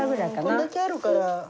これだけあるから。